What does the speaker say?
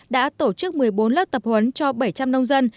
đã tổ chức một mươi bốn lớp tập huấn cho bảy trăm linh nông dân